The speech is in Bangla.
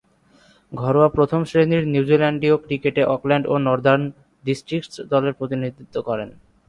ঘরোয়া প্রথম-শ্রেণীর নিউজিল্যান্ডীয় ক্রিকেটে অকল্যান্ড ও নর্দার্ন ডিস্ট্রিক্টস দলের প্রতিনিধিত্ব করেন।